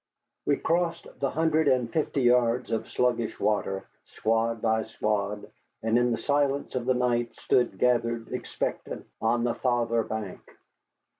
We crossed the hundred and fifty yards of sluggish water, squad by squad, and in the silence of the night stood gathered, expectant, on the farther bank.